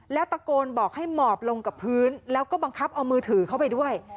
แล้วตะโกนบอกให้หมอบลงกับพื้นแล้วก็บังคับเอามือถือเข้าไปด้วย